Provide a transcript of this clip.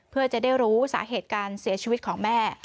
เพื่อจะได้รู้สาเหตุการเสียชีวิตของแม่